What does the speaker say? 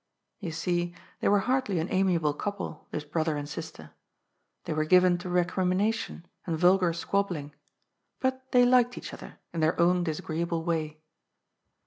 You see, they were hardly an amiable couple, this brother and sister. They were given to recrimination, and vulgar squabbling. But they liked each other, in their own disagreeable way.